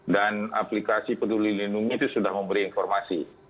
dan aplikasi peduli lindungi itu sudah memberi informasi